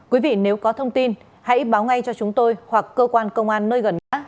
quý vị nếu có thông tin hãy báo ngay cho chúng tôi hoặc cơ quan công an nơi gần nhất